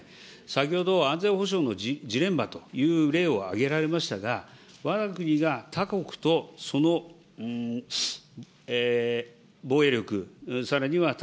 先ほど、安全保障のジレンマという例を挙げられましたが、わが国が他国とその防衛力、さらには他